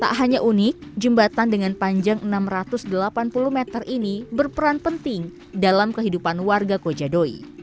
tak hanya unik jembatan dengan panjang enam ratus delapan puluh meter ini berperan penting dalam kehidupan warga kojadoi